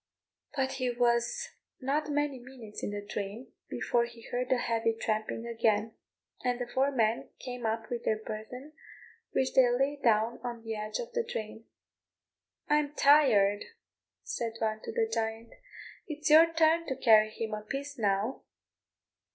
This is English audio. But he was not many minutes in the drain before he heard the heavy tramping again, and the four men came up with their burthen, which they laid down on the edge of the drain. "I'm tired," said one, to the giant; "it's your turn to carry him a piece now."